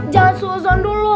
jangan sewa sewa dulu